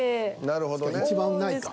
なるほどね。